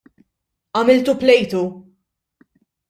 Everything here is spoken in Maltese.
Għamiltu plejtu!